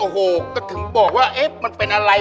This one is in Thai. ก็ถึงบอกว่ามันเป็นอะไร